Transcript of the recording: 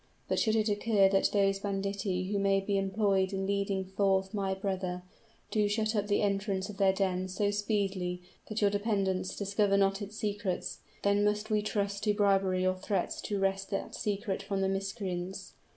But should it occur that those banditti who may be employed in leading forth my brother, do shut up the entrance of their den so speedily that your dependents discover not its secrets, then must we trust to bribery or threats to wrest that secret from the miscreants.